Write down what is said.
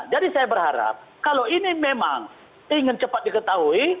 jadi saya berharap kalau ini memang ingin cepat diketahui